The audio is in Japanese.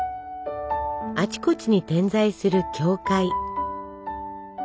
あちこちに点在する教会。